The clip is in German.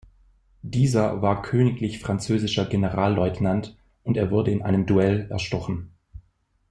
Dieser war königlich-französischer Generalleutnant und er wurde in einem Duell erstochen.